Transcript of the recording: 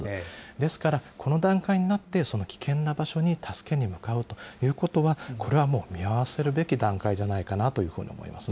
ですから、この段階になって、危険な場所に助けに向かうということは、これはもう、見合わせるべき段階じゃないかなというふうに思いますね。